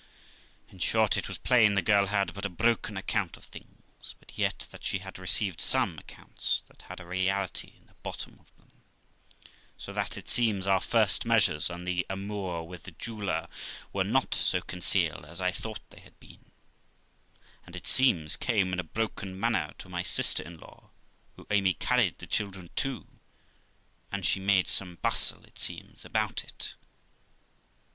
In short, it was plain the girl had but a broken account of things, but yet that she had received some accounts that had a reality in the bottom of them, so that, it seems, our first measures, and the amour with the jeweller, were not so concealed as I thought they had been; and, it seems, came in a broken manner to my sister in law, who Amy carried the children to, and she made some bustle, it seems, about it.